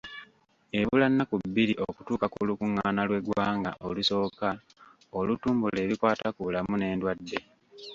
Ebula nnaku bbiri okutuuka ku lukungaana lw'eggwanga olusooka olutumbula ebikwata ku bulamu n'endwadde.